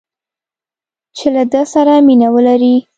چې له ده سره مینه ولري